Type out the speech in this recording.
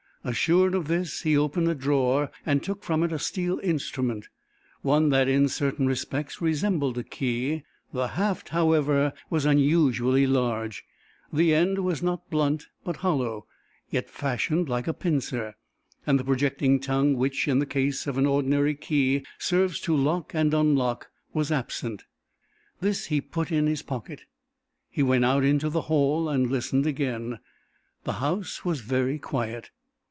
Assured of this, he opened a drawer and took from it a steel instrument, one that in certain respects resembled a key; the haft, however, was unusually large, the end was not blunt but hollow, yet fashioned like a pincer, and the projecting tongue which, in the case of an ordinary key serves to lock and unlock, was absent. This he put in his pocket. He went out in the hall and listened again. The house was very quiet.